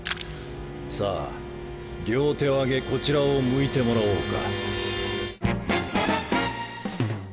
さぁ両手を上げこちらを向いてもらおうか。